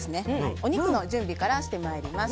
お肉の準備からしてまいります。